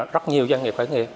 rất nhiều doanh nghiệp khởi nghiệp